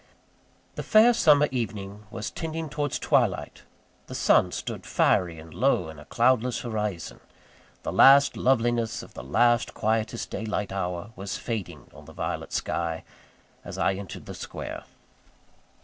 The fair summer evening was tending towards twilight; the sun stood fiery and low in a cloudless horizon; the last loveliness of the last quietest daylight hour was fading on the violet sky, as I entered the square.